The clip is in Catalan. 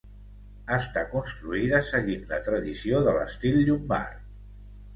Està construïda seguint la tradició de l'estil llombard.